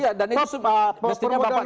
ya dan itu mestinya bapak tahu